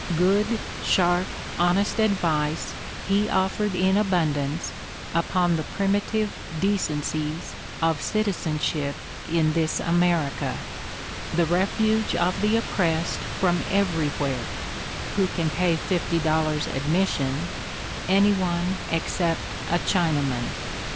Good, sharp, honest advice he offered in abundance upon the primi i tive decencies of citizenship in this America, "the refuge of the oppressed from everywhere (who can pay fifty dollars admission) — any one except a Chinaman."